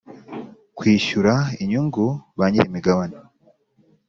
kwishyura inyungu ba nyirimigabane